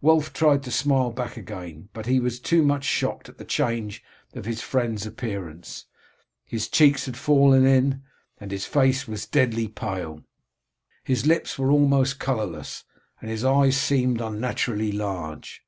Wulf tried to smile back again, but he was too much shocked at the change in his friend's appearance. His cheeks had fallen in, and his face was deadly pale. His lips were almost colourless, and his eyes seemed unnaturally large.